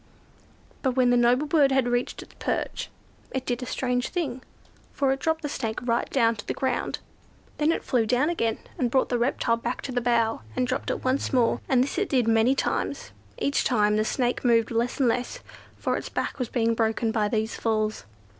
But, when the noble bird had reached its perch, it did a strange thing; for it dropped the Snake right down to the ground. Then it flew down again, and brought the reptile back to the bough, and dropped it once more—and this it did many times. Each time the Snake moved less and less, for its back was being broken by these falls.